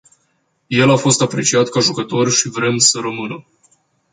El a fost apreciat ca jucător și vrem să rămână.